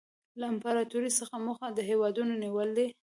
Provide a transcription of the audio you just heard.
له امپراطورۍ څخه موخه د هېوادونو نیول دي